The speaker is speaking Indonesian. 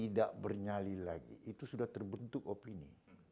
tidak bernyali lagi itu sudah terbentuk opini